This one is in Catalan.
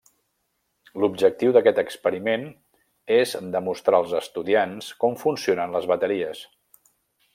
L'objectiu d'aquest experiment és demostrar als estudiants com funcionen les bateries.